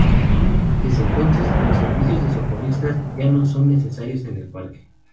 Desde entonces, los servicios de socorristas ya no son necesarios en el parque.